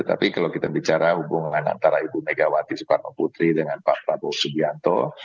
tapi kalau kita bicara hubungan antara ibu megawati soekarno putri dengan pak prabowo subianto